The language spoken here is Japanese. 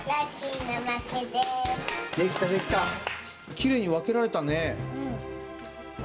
きれいにわけられたね。